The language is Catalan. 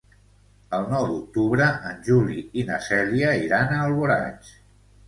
El nou d'octubre en Juli i na Cèlia iran a Alboraig.